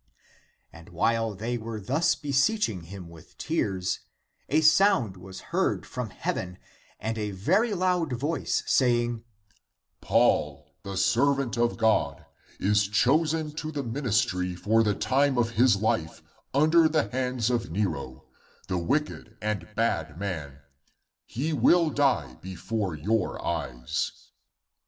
And while they were thus beseeching him with tears, a sound was heard from heaven and a very loud voice, saying, " Paul, the servant of God, is chosen to the ministry for the time of his life; under the hands of Nero, the wicked and bad man, he will die before your eyes."